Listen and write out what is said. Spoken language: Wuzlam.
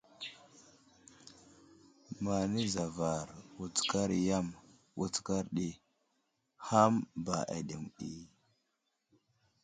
Manay zavar, wutskar i yam, wutskar ɗi, hàm ba aɗeŋw ɗi.